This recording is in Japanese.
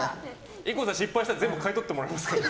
ＩＫＫＯさん、失敗したら全部買い取ってもらいますからね。